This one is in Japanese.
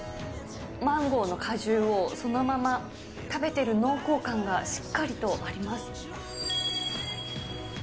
マンゴーの果汁をそのまま食べてる濃厚感がしっかりとあります。